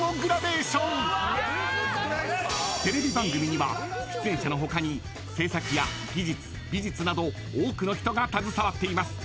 ［テレビ番組には出演者の他に制作や技術美術など多くの人が携わっています］